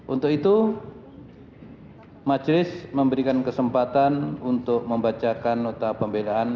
untuk itu majelis memberikan kesempatan untuk membacakan nota pembelaan